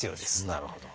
なるほど。